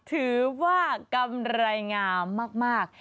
ถือว่ากำไรงามมาก